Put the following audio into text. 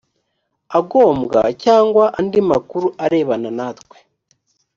agombwa cyangwa andi makuru arebana natwe